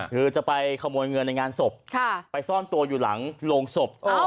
คือจะไปขโมยเงินในงานศพไปซ่อนตัวอยู่หลังโรงศพ